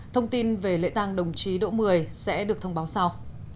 thông tin về lễ tang đồng chí đỗ mười sẽ được thông báo sau